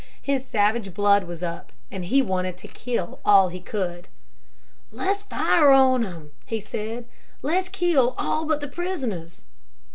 His savage blood was up and he wanted to kill all he could. "Let's fire on them," he said. "Let's kill all but the prisoners."